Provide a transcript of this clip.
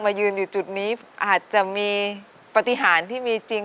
ยืนอยู่จุดนี้อาจจะมีปฏิหารที่มีจริง